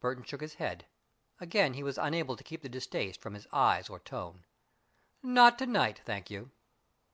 Burton shook his head. Again he was unable to keep the distaste from his eyes or tone. "Not to night, thank you."